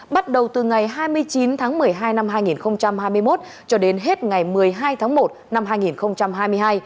bắt đầu từ ngày hai mươi chín tháng một mươi hai năm hai nghìn hai mươi một cho đến hết ngày một mươi hai tháng một năm hai nghìn hai mươi hai